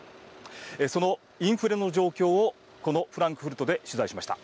そのインフレの状況をこのフランクフルトで取材しました。